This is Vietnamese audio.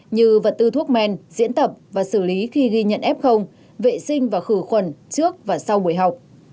như vật tư thuốc men diễn tập và xử lý khi ghi nhận f vệ sinh và khử khuẩn trước và sau buổi học